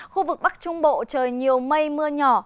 khu vực bắc trung bộ trời nhiều mây mưa nhỏ